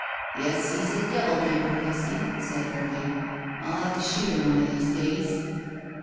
"Yes, he's a devil tempered husky," said Hervey. "I'll have to shoot him one of these days."